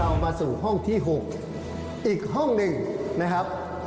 มาสู่ห้องที่๖อีกห้องหนึ่งนะครับ